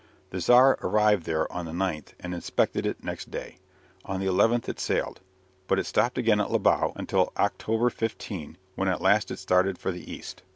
The Tsar arrived there on the 9th and inspected it next day. On the 11th it sailed. But it stopped again at Libau, until October 15, when at last it started for the East.